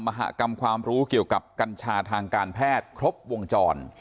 มหากรรมความรู้เกี่ยวกับกัญชาทางการแพทย์ครบวงจร